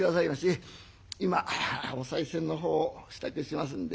今おさい銭の方を支度しますんで」。